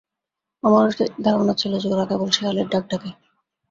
আমারও ধারণা ছিল যে, ওরা কেবল শেয়ালের ডাক ডাকে।